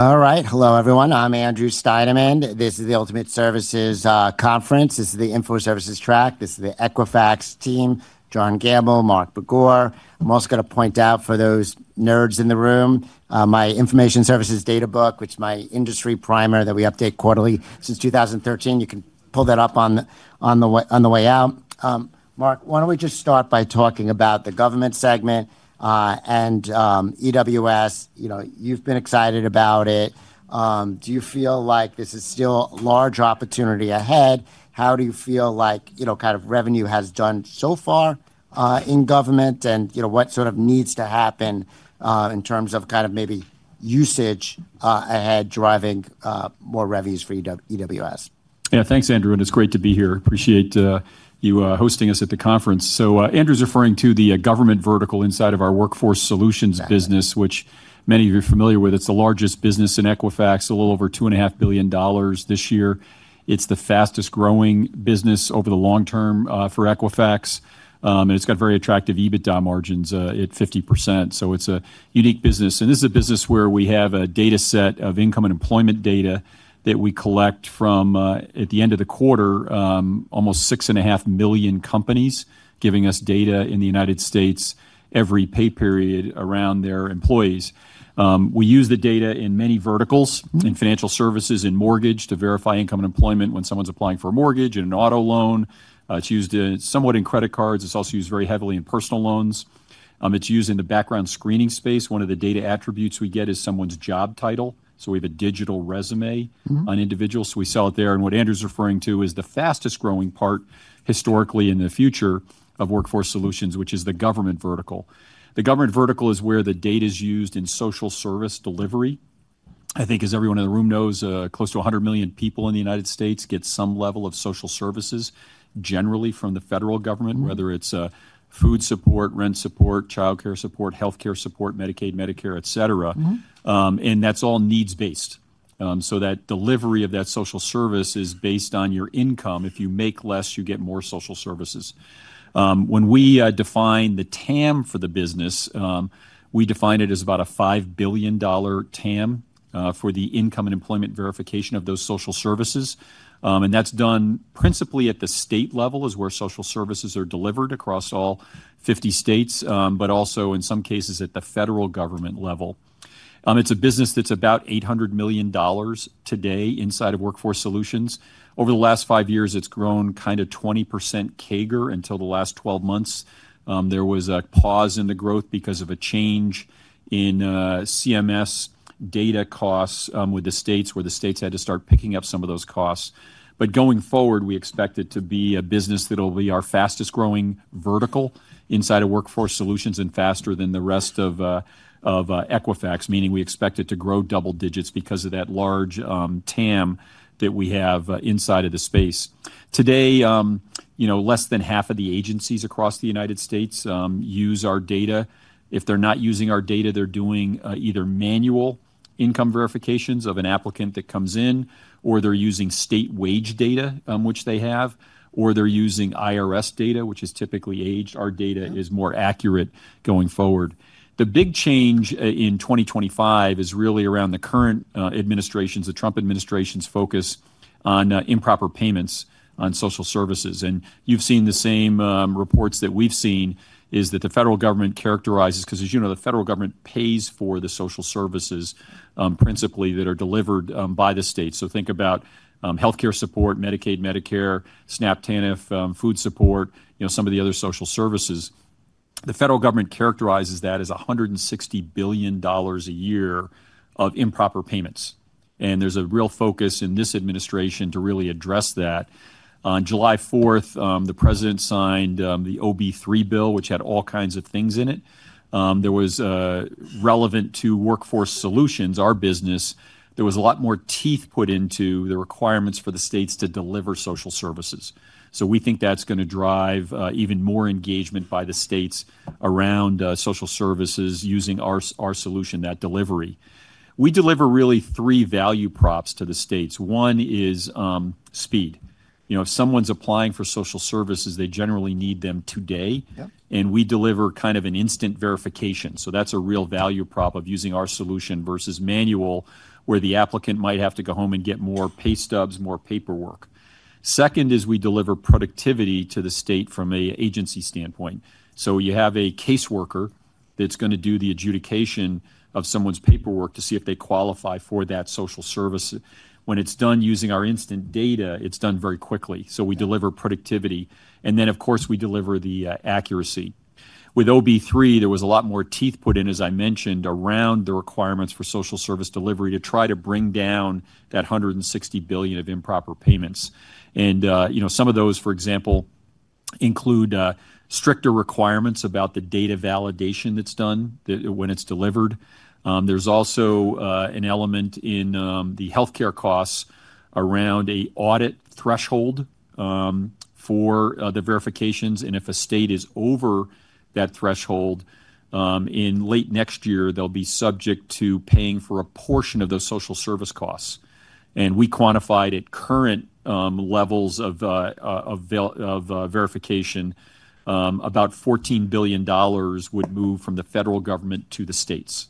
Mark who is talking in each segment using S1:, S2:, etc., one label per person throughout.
S1: All right, hello everyone. I'm Andrew Steinerman. This is the Ultimate Services Conference. This is the Info Services Track. This is the Equifax team, John Gamble, Mark Begor. I'm also going to point out for those nerds in the room, my Information Services Data Book, which is my industry primer that we update quarterly since 2013. You can pull that up on the way out. Mark, why don't we just start by talking about the government segment and EWS? You've been excited about it. Do you feel like this is still a large opportunity ahead? How do you feel like kind of revenue has done so far in government, and what sort of needs to happen in terms of kind of maybe usage ahead driving more revenues for EWS?
S2: Yeah, thanks, Andrew. It's great to be here. Appreciate you hosting us at the conference. Andrew's referring to the government vertical inside of our workforce solutions business, which many of you are familiar with. It's the largest business in Equifax, a little over $2.5 billion this year. It's the fastest growing business over the long-term for Equifax. It's got very attractive EBITDA margins at 50%. It's a unique business. This is a business where we have a data set of income and employment data that we collect from, at the end of the quarter, almost 6.5 million companies giving us data in the United States every pay period around their employees. We use the data in many verticals, in financial services, in mortgage to verify income and employment when someone's applying for a mortgage and an auto loan. It's used somewhat in credit cards. It's also used very heavily in personal loans. It's used in the background screening space. One of the data attributes we get is someone's job title. So we have a digital resume on individuals. So we sell it there. What Andrew's referring to is the fastest growing part historically in the future of workforce solutions, which is the government vertical. The government vertical is where the data is used in social service delivery. I think, as everyone in the room knows, close to 100 million people in the United States get some level of social services generally from the federal government, whether it's food support, rent support, childcare support, healthcare support, Medicaid, Medicare, et cetera. That's all needs-based. That delivery of that social service is based on your income. If you make less, you get more social services. When we define the TAM for the business, we define it as about a $5 billion TAM for the income and employment verification of those social services. That is done principally at the state level, which is where social services are delivered across all 50 states, but also in some cases at the federal government level. It is a business that is about $800 million today inside of workforce solutions. Over the last five years, it has grown kind of 20% CAGR until the last 12 months. There was a pause in the growth because of a change in CMS data costs with the states where the states had to start picking up some of those costs. Going forward, we expect it to be a business that will be our fastest growing vertical inside of workforce solutions and faster than the rest of Equifax, meaning we expect it to grow double digits because of that large TAM that we have inside of the space. Today, less than half of the agencies across the United States use our data. If they're not using our data, they're doing either manual income verifications of an applicant that comes in, or they're using state wage data, which they have, or they're using IRS data, which is typically aged. Our data is more accurate going forward. The big change in 2025 is really around the current administration's, the Trump administration's focus on improper payments on social services. You've seen the same reports that we've seen is that the federal government characterizes, because as you know, the federal government pays for the social services principally that are delivered by the states. Think about healthcare support, Medicaid, Medicare, SNAP, TANF, food support, some of the other social services. The federal government characterizes that as $160 billion a year of improper payments. There's a real focus in this administration to really address that. On July 4th, the president signed the OB3 Bill, which had all kinds of things in it. There was relevant to workforce solutions, our business, there was a lot more teeth put into the requirements for the states to deliver social services. We think that's going to drive even more engagement by the states around social services using our solution, that delivery. We deliver really three value props to the states. One is speed. If someone's applying for social services, they generally need them today. We deliver kind of an instant verification. That is a real value prop of using our solution versus manual where the applicant might have to go home and get more pay stubs, more paperwork. Second is we deliver productivity to the state from an agency standpoint. You have a case worker that is going to do the adjudication of someone's paperwork to see if they qualify for that social service. When it is done using our instant data, it is done very quickly. We deliver productivity. Of course, we deliver the accuracy. With OB3, there was a lot more teeth put in, as I mentioned, around the requirements for social service delivery to try to bring down that $160 billion of improper payments. Some of those, for example, include stricter requirements about the data validation that's done when it's delivered. There's also an element in the healthcare costs around an audit threshold for the verifications. If a state is over that threshold, in late next year, they'll be subject to paying for a portion of those social service costs. We quantified at current levels of verification, about $14 billion would move from the federal government to the states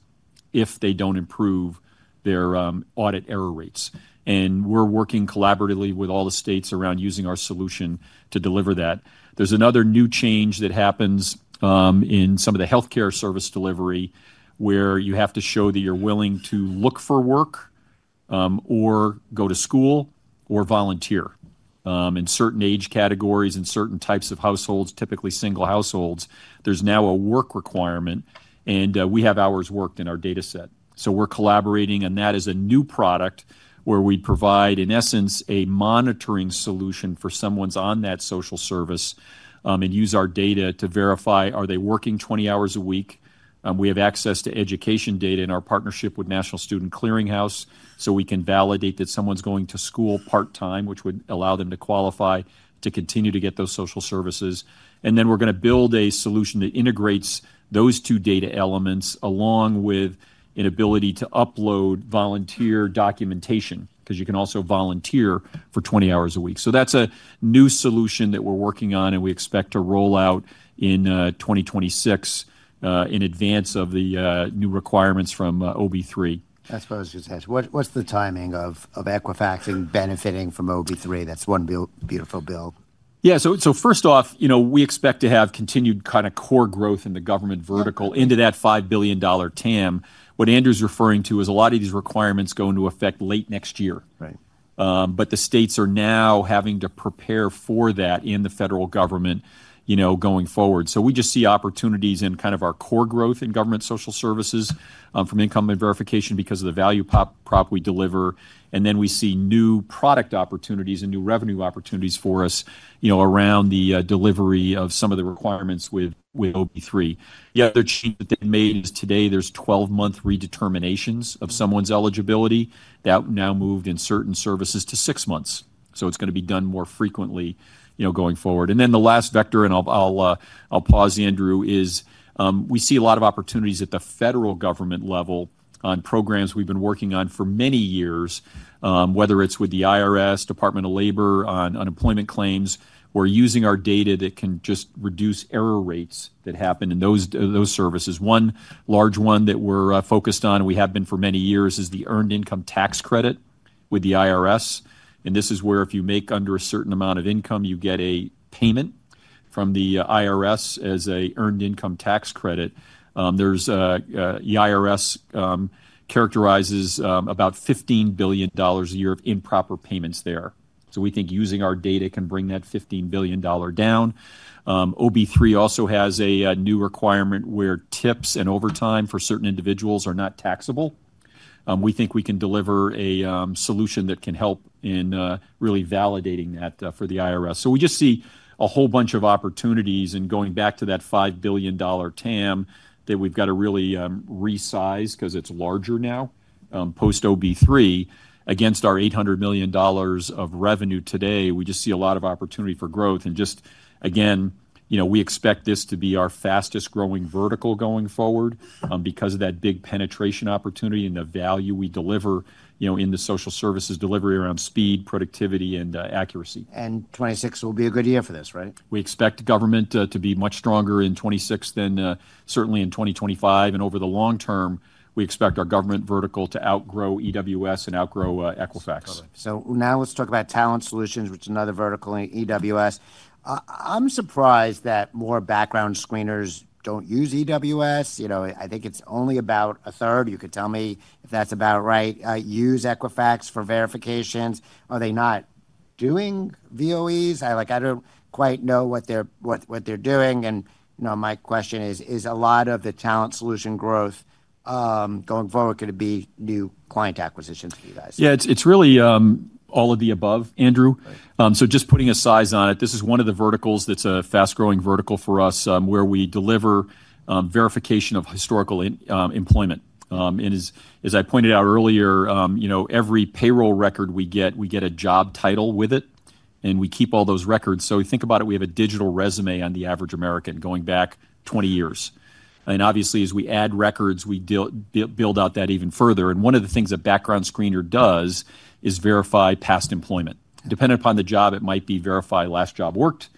S2: if they don't improve their audit error rates. We're working collaboratively with all the states around using our solution to deliver that. There's another new change that happens in some of the healthcare service delivery where you have to show that you're willing to look for work or go to school or volunteer. In certain age categories and certain types of households, typically single households, there's now a work requirement. We have hours worked in our data set. We are collaborating, and that is a new product where we provide, in essence, a monitoring solution for someone on that social service and use our data to verify are they working 20 hours a week. We have access to education data in our partnership with National Student Clearinghouse, so we can validate that someone is going to school part-time, which would allow them to qualify to continue to get those social services. We are going to build a solution that integrates those two data elements along with an ability to upload volunteer documentation because you can also volunteer for 20 hours a week. That is a new solution that we are working on, and we expect to roll out in 2026 in advance of the new requirements from OB3.
S1: I suppose just ask, what's the timing of Equifax benefiting from OB3? That's one beautiful bill.
S2: Yeah. First off, we expect to have continued kind of core growth in the government vertical into that $5 billion TAM. What Andrew's referring to is a lot of these requirements going to affect late next year. The states are now having to prepare for that in the federal government going forward. We just see opportunities in kind of our core growth in government social services from income and verification because of the value prop we deliver. We see new product opportunities and new revenue opportunities for us around the delivery of some of the requirements with OB3. The other change that they've made is today there's 12-month redeterminations of someone's eligibility that now moved in certain services to six months. It's going to be done more frequently going forward. The last vector, and I'll pause Andrew, is we see a lot of opportunities at the federal government level on programs we've been working on for many years, whether it's with the IRS, Department of Labor on unemployment claims. We're using our data that can just reduce error rates that happen in those services. One large one that we're focused on, and we have been for many years, is the Earned Income Tax Credit with the IRS. This is where if you make under a certain amount of income, you get a payment from the IRS as an Earned Income Tax Credit. The IRS characterizes about $15 billion a year of improper payments there. We think using our data can bring that $15 billion down. OB3 also has a new requirement where tips and overtime for certain individuals are not taxable. We think we can deliver a solution that can help in really validating that for the IRS. We just see a whole bunch of opportunities. Going back to that $5 billion TAM that we've got to really resize because it's larger now post-OB3 against our $800 million of revenue today, we just see a lot of opportunity for growth. Again, we expect this to be our fastest growing vertical going forward because of that big penetration opportunity and the value we deliver in the social services delivery around speed, productivity, and accuracy.
S1: Twenty twenty-six will be a good year for this, right?
S2: We expect government to be much stronger in 2026 than certainly in 2025. Over the long-term, we expect our government vertical to outgrow EWS and outgrow Equifax.
S1: Now let's talk about talent solutions, which is another vertical in EWS. I'm surprised that more background screeners don't use EWS. I think it's only about a third. You could tell me if that's about right. Use Equifax for verifications. Are they not doing VOEs? I don't quite know what they're doing. My question is, is a lot of the talent solution growth going forward going to be new client acquisitions for you guys?
S2: Yeah, it's really all of the above, Andrew. Just putting a size on it, this is one of the verticals that's a fast-growing vertical for us where we deliver verification of historical employment. As I pointed out earlier, every payroll record we get, we get a job title with it. We keep all those records. Think about it, we have a digital resume on the average American going back 20 years. Obviously, as we add records, we build out that even further. One of the things a background screener does is verify past employment. Depending upon the job, it might be verify last job worked.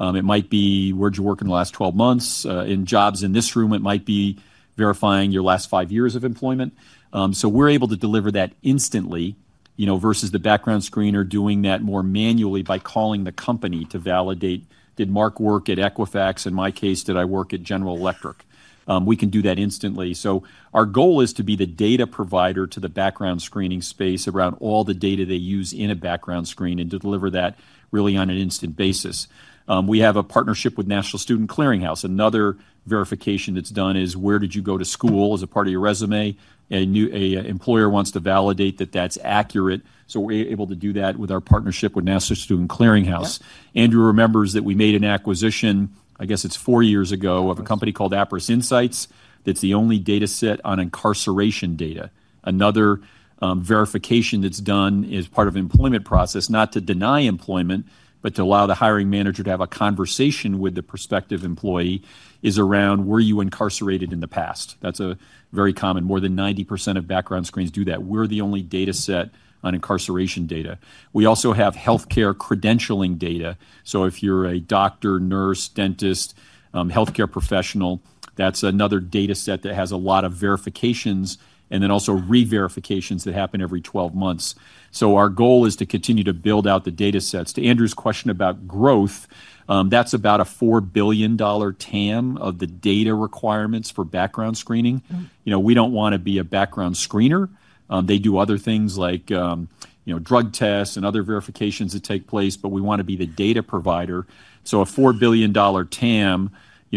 S2: It might be where'd you work in the last 12 months. In jobs in this room, it might be verifying your last five years of employment. We're able to deliver that instantly versus the background screener doing that more manually by calling the company to validate, did Mark work at Equifax? In my case, did I work at General Electric? We can do that instantly. Our goal is to be the data provider to the background screening space around all the data they use in a background screen and deliver that really on an instant basis. We have a partnership with National Student Clearinghouse. Another verification that's done is where did you go to school as a part of your resume? An employer wants to validate that that's accurate. We're able to do that with our partnership with National Student Clearinghouse. Andrew remembers that we made an acquisition, I guess it's four years ago, of a company called Aperis Insights that's the only data set on incarceration data. Another verification that's done as part of the employment process, not to deny employment, but to allow the hiring manager to have a conversation with the prospective employee is around were you incarcerated in the past? That's very common. More than 90% of background screens do that. We're the only data set on incarceration data. We also have healthcare credentialing data. If you're a doctor, nurse, dentist, healthcare professional, that's another data set that has a lot of verifications and then also re-verifications that happen every 12 months. Our goal is to continue to build out the data sets. To Andrew's question about growth, that's about a $4 billion TAM of the data requirements for background screening. We don't want to be a background screener. They do other things like drug tests and other verifications that take place, but we want to be the data provider. A $4 billion TAM,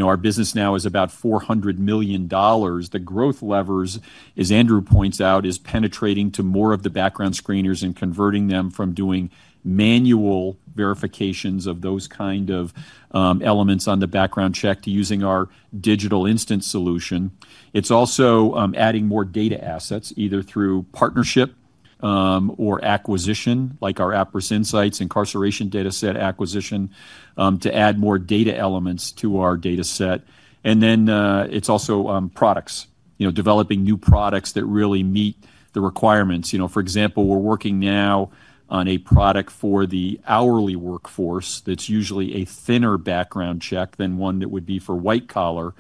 S2: our business now is about $400 million. The growth levers, as Andrew points out, is penetrating to more of the background screeners and converting them from doing manual verifications of those kind of elements on the background check to using our digital instance solution. It's also adding more data assets either through partnership or acquisition, like our Aperis Insights incarceration data set acquisition to add more data elements to our data set. It's also products, developing new products that really meet the requirements. For example, we're working now on a product for the hourly workforce that's usually a thinner background check than one that would be for white collar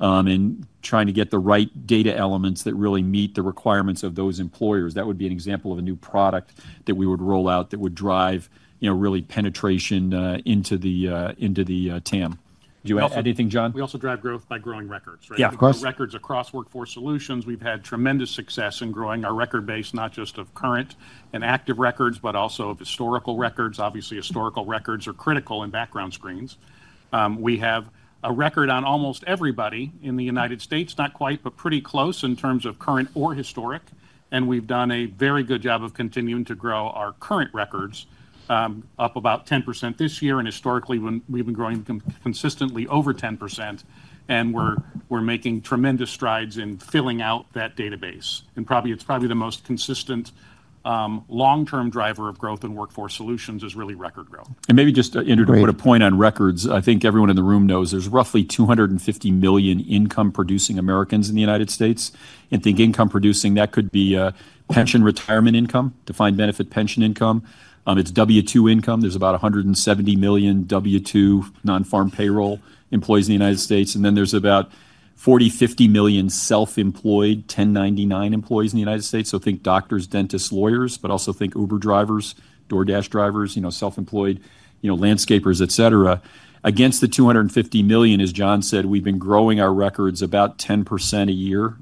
S2: and trying to get the right data elements that really meet the requirements of those employers. That would be an example of a new product that we would roll out that would drive really penetration into the TAM.
S1: We also drive growth by growing records, right?
S3: Yeah, of course. Records, across workforce solutions, we've had tremendous success in growing our record base, not just of current and active records, but also of historical records. Obviously, historical records are critical in background screens. We have a record on almost everybody in the United States, not quite, but pretty close in terms of current or historic. We've done a very good job of continuing to grow our current records, up about 10% this year. Historically, we've been growing consistently over 10%. We're making tremendous strides in filling out that database. It's probably the most consistent long-term driver of growth in workforce solutions, is really record growth.
S2: Maybe just, Andrew, to put a point on records, I think everyone in the room knows there's roughly 250 million income-producing Americans in the United States. Think income-producing, that could be pension retirement income, defined benefit pension income. It's W-2 income. There's about 170 million W-2 non-farm payroll employees in the United States. Then there's about 40-50 million self-employed 1099 employees in the United States. Think doctors, dentists, lawyers, but also think Uber drivers, DoorDash drivers, self-employed landscapers, etc. Against the 250 million, as John said, we've been growing our records about 10% a year.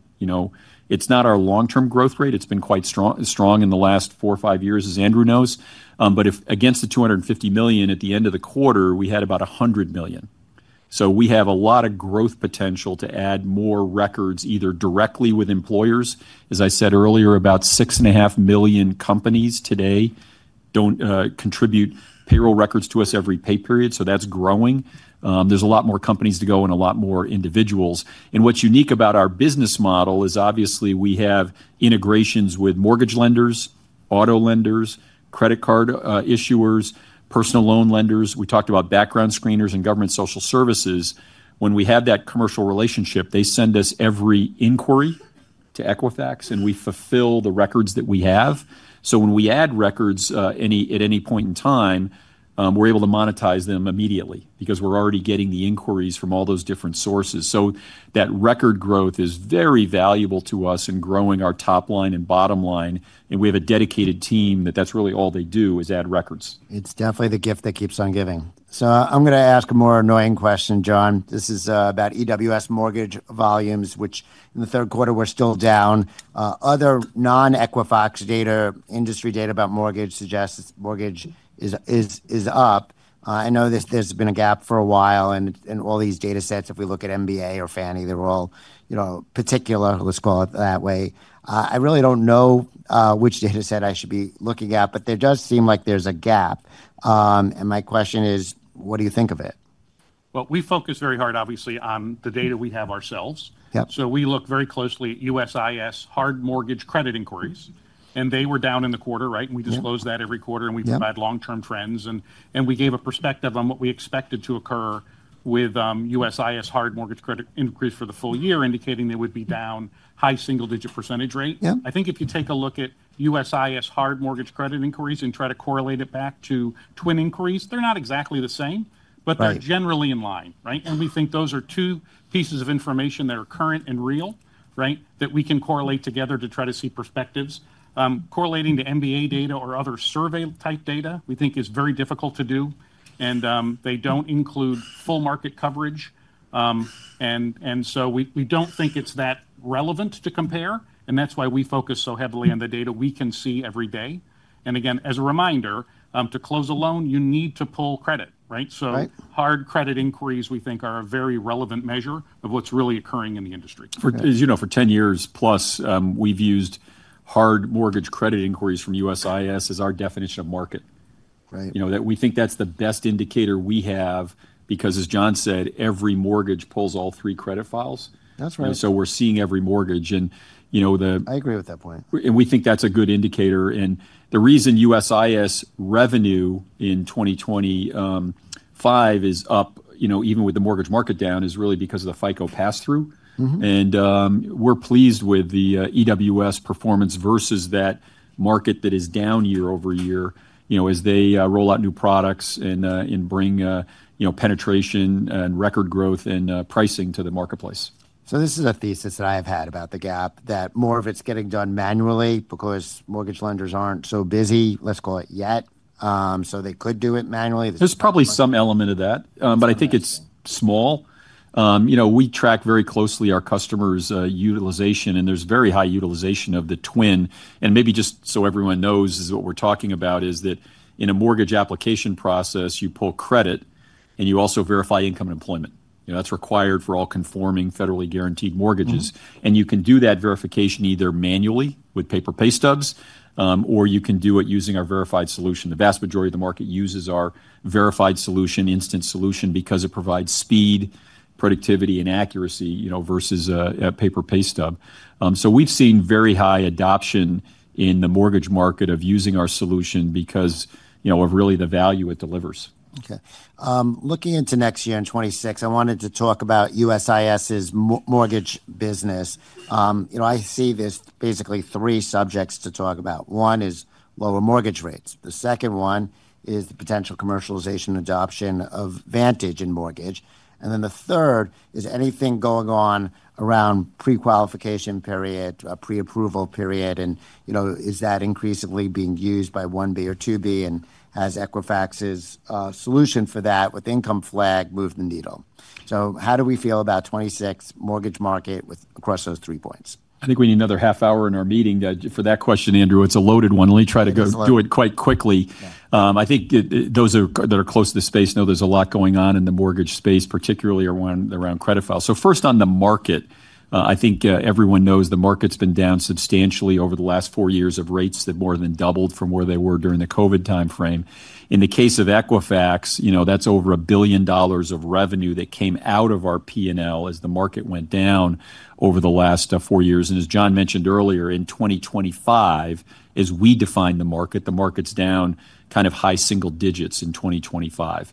S2: It's not our long-term growth rate. It's been quite strong in the last four or five years, as Andrew knows. Against the 250 million at the end of the quarter, we had about 100 million. We have a lot of growth potential to add more records either directly with employers. As I said earlier, about 6.5 million companies today contribute payroll records to us every pay period. That is growing. There are a lot more companies to go and a lot more individuals. What is unique about our business model is obviously we have integrations with mortgage lenders, auto lenders, credit card issuers, personal loan lenders. We talked about background screeners and government social services. When we have that commercial relationship, they send us every inquiry to Equifax, and we fulfill the records that we have. When we add records at any point in time, we are able to monetize them immediately because we are already getting the inquiries from all those different sources. That record growth is very valuable to us in growing our top line and bottom line. We have a dedicated team that really all they do is add records.
S1: It's definitely the gift that keeps on giving. I'm going to ask a more annoying question, John. This is about EWS mortgage volumes, which in the third quarter were still down. Other non-Equifax data, industry data about mortgage, suggests mortgage is up. I know there's been a gap for a while. All these data sets, if we look at MBA or Fannie, they're all particular, let's call it that way. I really don't know which data set I should be looking at, but there does seem like there's a gap. My question is, what do you think of it?
S3: We focus very hard, obviously, on the data we have ourselves. We look very closely at USIS hard mortgage credit inquiries. They were down in the quarter, right? We disclose that every quarter. We provide long-term trends. We gave a perspective on what we expected to occur with USIS hard mortgage credit inquiries for the full year, indicating they would be down high single-digit percentage rate. I think if you take a look at USIS hard mortgage credit inquiries and try to correlate it back to Twin inquiries, they are not exactly the same, but they are generally in line, right? We think those are two pieces of information that are current and real, right, that we can correlate together to try to see perspectives. Correlating to MBA data or other survey-type data, we think is very difficult to do. They do not include full market coverage. We do not think it is that relevant to compare. That is why we focus so heavily on the data we can see every day. Again, as a reminder, to close a loan, you need to pull credit, right? Hard credit inquiries, we think, are a very relevant measure of what is really occurring in the industry.
S2: As you know, for 10 years plus, we have used hard mortgage credit inquiries from USIS as our definition of market. We think that is the best indicator we have because, as John said, every mortgage pulls all three credit files. We are seeing every mortgage.
S1: I agree with that point.
S2: We think that's a good indicator. The reason USIS revenue in 2025 is up, even with the mortgage market down, is really because of the FICO pass-through. We're pleased with the EWS performance versus that market that is down year-over year as they roll out new products and bring penetration and record growth and pricing to the marketplace.
S1: This is a thesis that I have had about the gap, that more of it is getting done manually because mortgage lenders are not so busy, let's call it yet. They could do it manually.
S2: There's probably some element of that, but I think it's small. We track very closely our customers' utilization. There's very high utilization of the Twin. Maybe just so everyone knows, what we're talking about is that in a mortgage application process, you pull credit and you also verify income and employment. That's required for all conforming federally guaranteed mortgages. You can do that verification either manually with paper pay stubs or you can do it using our verified solution. The vast majority of the market uses our verified solution, instant solution, because it provides speed, productivity, and accuracy versus a paper pay stub. We've seen very high adoption in the mortgage market of using our solution because of really the value it delivers.
S1: Okay. Looking into next year, in 2026, I wanted to talk about USIS's mortgage business. I see there's basically three subjects to talk about. One is lower mortgage rates. The second one is the potential commercialization adoption of Vantage in mortgage. The third is anything going on around pre-qualification period, pre-approval period. Is that increasingly being used by 1B or 2B and has Equifax's solution for that with income flag moved the needle? How do we feel about 2026 mortgage market across those three points?
S2: I think we need another half hour in our meeting. For that question, Andrew, it's a loaded one. Let me try to do it quite quickly. I think those that are close to the space know there's a lot going on in the mortgage space, particularly around credit files. First on the market, I think everyone knows the market's been down substantially over the last four years of rates that more than doubled from where they were during the COVID timeframe. In the case of Equifax, that's over $1 billion of revenue that came out of our P&L as the market went down over the last four years. As John mentioned earlier, in 2025, as we define the market, the market's down kind of high single digits in 2025.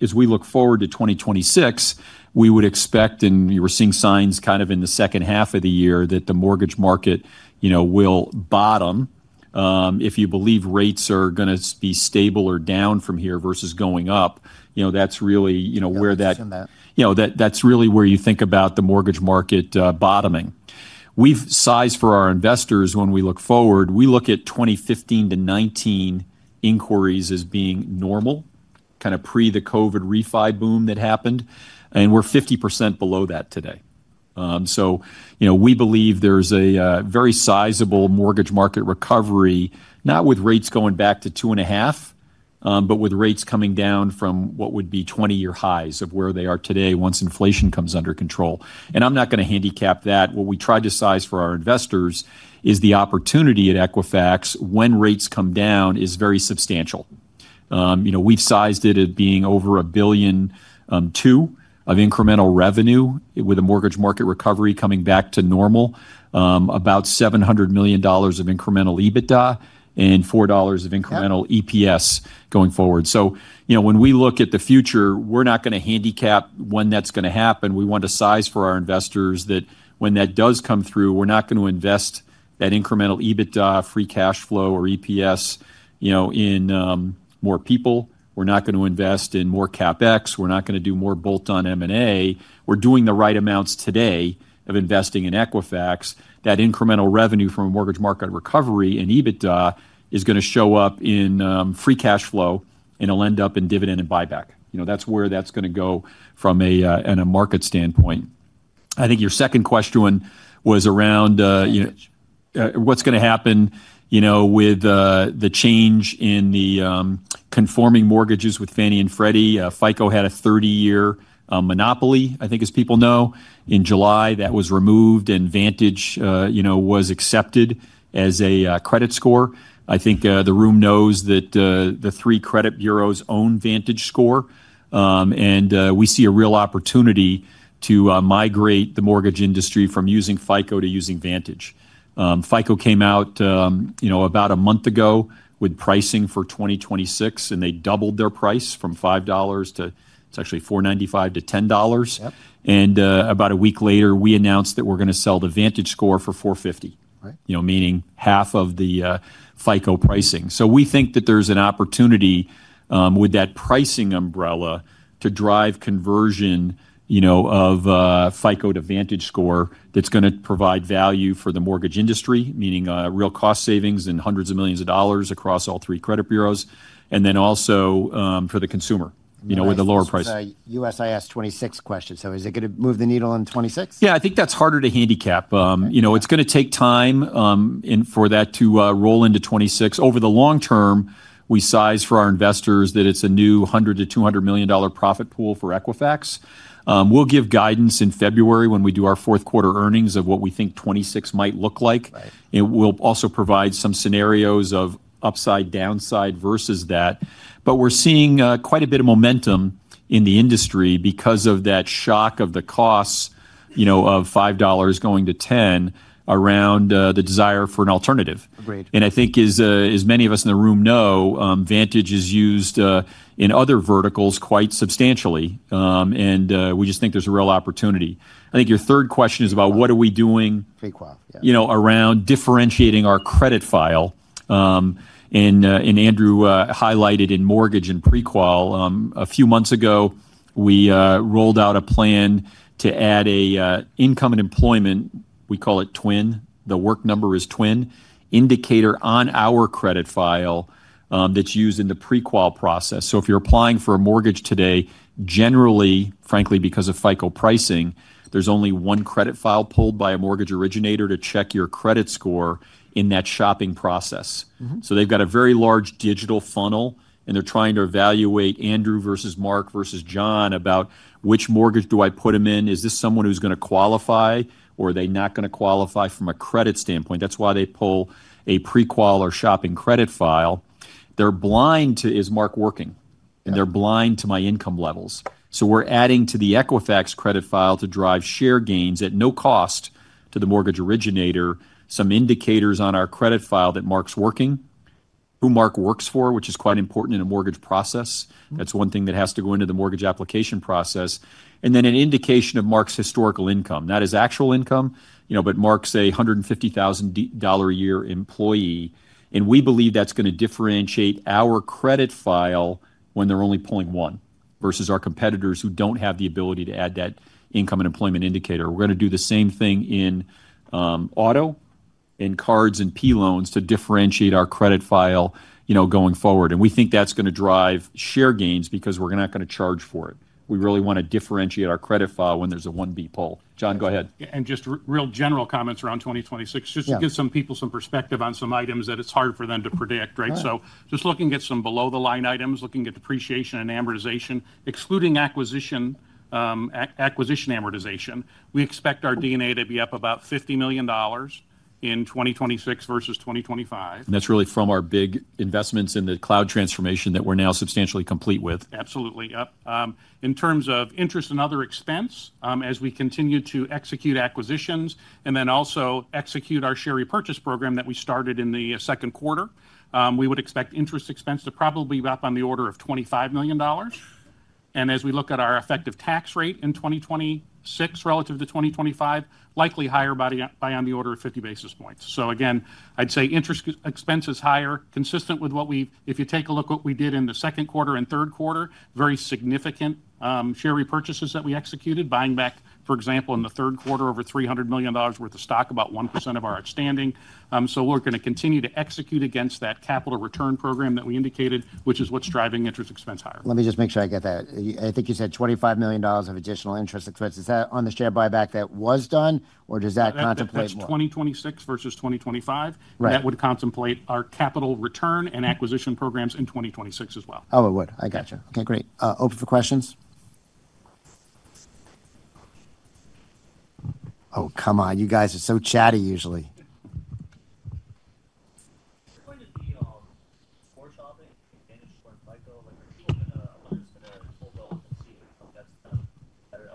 S2: As we look forward to 2026, we would expect, and we're seeing signs kind of in the second half of the year that the mortgage market will bottom. If you believe rates are going to be stable or down from here versus going up, that's really where you think about the mortgage market bottoming. We've sized for our investors when we look forward, we look at 2015 to 2019 inquiries as being normal, kind of pre the COVID refi boom that happened. And we're 50% below that today. We believe there's a very sizable mortgage market recovery, not with rates going back to two and a half, but with rates coming down from what would be 20-year highs of where they are today once inflation comes under control. I'm not going to handicap that. What we tried to size for our investors is the opportunity at Equifax when rates come down is very substantial. We've sized it as being over $1.2 billion of incremental revenue with a mortgage market recovery coming back to normal, about $700 million of incremental EBITDA and $4 of incremental EPS going forward. When we look at the future, we're not going to handicap when that's going to happen. We want to size for our investors that when that does come through, we're not going to invest that incremental EBITDA, free cash flow, or EPS in more people. We're not going to invest in more CapEx. We're not going to do more bolt-on M&A. We're doing the right amounts today of investing in Equifax. That incremental revenue from a mortgage market recovery and EBITDA is going to show up in free cash flow and it'll end up in dividend and buyback. That's where that's going to go from a market standpoint. I think your second question was around what's going to happen with the change in the conforming mortgages with Fannie and Freddie. FICO had a 30-year monopoly, I think as people know. In July, that was removed and Vantage was accepted as a credit score. I think the room knows that the three credit bureaus own VantageScore. And we see a real opportunity to migrate the mortgage industry from using FICO to using Vantage. FICO came out about a month ago with pricing for 2026, and they doubled their price from $5 to, it's actually $4.95-$10. About a week later, we announced that we're going to sell the VantageScore for $4.50, meaning half of the FICO pricing. We think that there's an opportunity with that pricing umbrella to drive conversion of FICO to VantageScore that's going to provide value for the mortgage industry, meaning real cost savings and hundreds of millions of dollars across all three credit bureaus, and also for the consumer with a lower price.
S1: USIS '26 question. Is it going to move the needle in 2026?
S2: Yeah, I think that's harder to handicap. It's going to take time for that to roll into 2026. Over the long-term, we sized for our investors that it's a new $100 million-$200 million profit pool for Equifax. We'll give guidance in February when we do our fourth quarter earnings of what we think 2026 might look like. We'll also provide some scenarios of upside, downside versus that. We're seeing quite a bit of momentum in the industry because of that shock of the costs of $5 going to $10 around the desire for an alternative. I think as many of us in the room know, Vantage is used in other verticals quite substantially. We just think there's a real opportunity. I think your third question is about what are we doing around differentiating our credit file. Andrew highlighted in mortgage and prequal, a few months ago, we rolled out a plan to add an income and employment, we call it Twin. The Work Number is Twin, indicator on our credit file that's used in the prequal process. If you're applying for a mortgage today, generally, frankly, because of FICO pricing, there's only one credit file pulled by a mortgage originator to check your credit score in that shopping process. They've got a very large digital funnel, and they're trying to evaluate Andrew versus Mark versus John about which mortgage do I put them in? Is this someone who's going to qualify, or are they not going to qualify from a credit standpoint? That's why they pull a prequal or shopping credit file. They're blind to, is Mark working? And they're blind to my income levels. We're adding to the Equifax credit file to drive share gains at no cost to the mortgage originator, some indicators on our credit file that Mark's working, who Mark works for, which is quite important in a mortgage process. That's one thing that has to go into the mortgage application process. And then an indication of Mark's historical income. Not his actual income, but Mark's a $150,000 a year employee. We believe that's going to differentiate our credit file when they're only pulling one versus our competitors who don't have the ability to add that income and employment indicator. We're going to do the same thing in auto and cards and P loans to differentiate our credit file going forward. We think that's going to drive share gains because we're not going to charge for it. We really want to differentiate our credit file when there's a $1 billion pull. John, go ahead.
S3: Just real general comments around 2026, just to give some people some perspective on some items that it's hard for them to predict, right? Just looking at some below-the-line items, looking at depreciation and amortization, excluding acquisition amortization. We expect our D&A to be up about $50 million in 2026 versus 2025.
S2: That's really from our big investments in the cloud transformation that we're now substantially complete with.
S3: Absolutely. Yep. In terms of interest and other expense, as we continue to execute acquisitions and then also execute our share repurchase program that we started in the second quarter, we would expect interest expense to probably be up on the order of $25 million. As we look at our effective tax rate in 2026 relative to 2025, likely higher by on the order of 50 basis points. Again, I'd say interest expense is higher, consistent with what we've, if you take a look at what we did in the second quarter and third quarter, very significant share repurchases that we executed, buying back, for example, in the third quarter over $300 million worth of stock, about 1% of our outstanding. We are going to continue to execute against that capital return program that we indicated, which is what's driving interest expense higher.
S1: Let me just make sure I get that. I think you said $25 million of additional interest expense. Is that on the share buyback that was done, or does that contemplate more?
S3: That's 2026 versus 2025. That would contemplate our capital return and acquisition programs in 2026 as well.
S1: Oh, it would. I gotcha. Okay, great. Open for questions. Oh, come on, you guys are so chatty usually. Do you find it to be poor shopping in Vantage or in FICO? Are people going to pull those and see if that's kind of better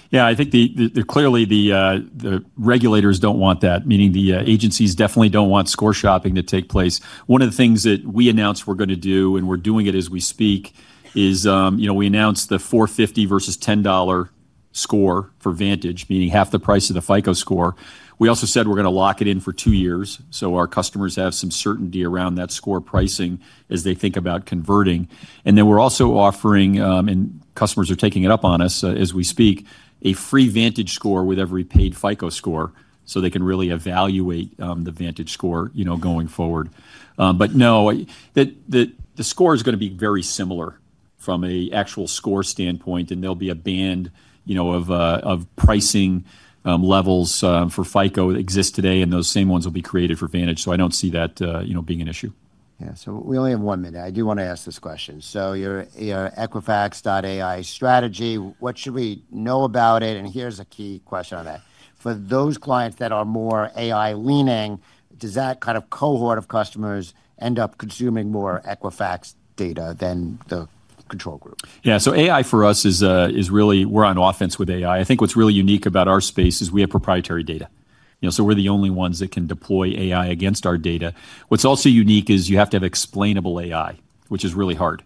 S1: LTA?
S2: Yeah, I think clearly the regulators do not want that, meaning the agencies definitely do not want score shopping to take place. One of the things that we announced we are going to do, and we are doing it as we speak, is we announced the $4.50 versus $10 score for Vantage, meaning half the price of the FICO score. We also said we are going to lock it in for two years. Our customers have some certainty around that score pricing as they think about converting. We are also offering, and customers are taking it up on us as we speak, a free Vantage score with every paid FICO score so they can really evaluate the Vantage score going forward. No, the score is going to be very similar from an actual score standpoint, and there will be a band of pricing levels for FICO that exist today, and those same ones will be created for Vantage. I do not see that being an issue.
S1: Yeah, so we only have one minute. I do want to ask this question. Your Equifax AI strategy, what should we know about it? Here's a key question on that. For those clients that are more AI leaning, does that kind of cohort of customers end up consuming more Equifax data than the control group?
S2: Yeah, so AI for us is really, we're on offense with AI. I think what's really unique about our space is we have proprietary data. So we're the only ones that can deploy AI against our data. What's also unique is you have to have explainable AI, which is really hard,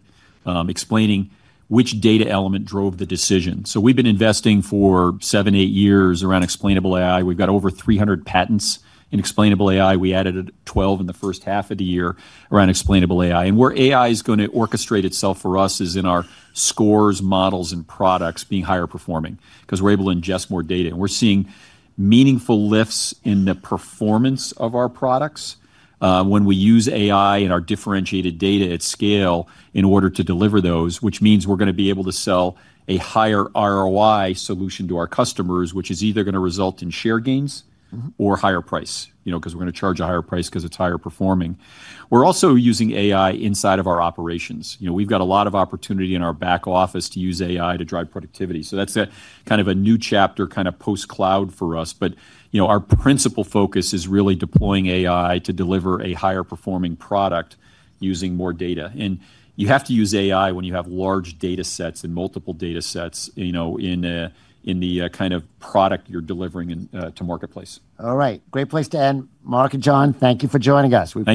S2: explaining which data element drove the decision. So we've been investing for seven, eight years around explainable AI. We've got over 300 patents in explainable AI. We added 12 in the first half of the year around explainable AI. Where AI is going to orchestrate itself for us is in our scores, models, and products being higher performing because we're able to ingest more data. We're seeing meaningful lifts in the performance of our products when we use AI and our differentiated data at scale in order to deliver those, which means we're going to be able to sell a higher ROI solution to our customers, which is either going to result in share gains or higher price because we're going to charge a higher price because it's higher performing. We're also using AI inside of our operations. We've got a lot of opportunity in our back office to use AI to drive productivity. That's kind of a new chapter, kind of post-cloud for us. Our principal focus is really deploying AI to deliver a higher performing product using more data. You have to use AI when you have large data sets and multiple data sets in the kind of product you're delivering to marketplace.
S1: All right. Great place to end. Mark and John, thank you for joining us. We.